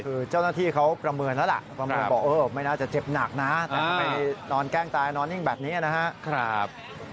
คือเจ้าหน้าที่เขาประเมินแล้วล่ะประเมินบอกเออไม่น่าจะเจ็บหนักนะแต่ถ้าไปนอนแกล้งตายนอนนิ่งแบบนี้นะครับ